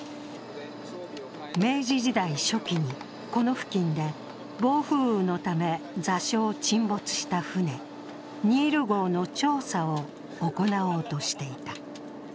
明治時代初期に、この付近で暴風雨のため座礁・沈没した船「ニール」号の調査を行おうとしていた。